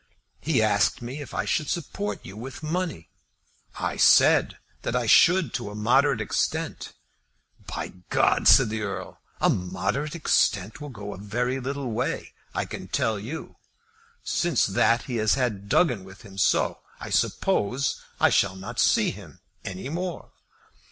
He asked me if I should support you with money; I said that I should to a moderate extent. 'By G ,' said the Earl, 'a moderate extent will go a very little way, I can tell you.' Since that he has had Duggin with him; so, I suppose, I shall not see him any more.